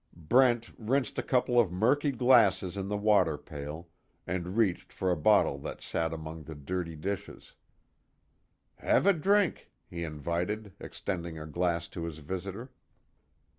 Brent rinsed a couple of murky glasses in the water pail, and reached for a bottle that sat among the dirty dishes: "Have a drink," he invited, extending a glass to his visitor.